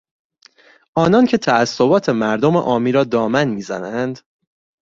آنان که تعصبات مردم عامی را دامن میزنند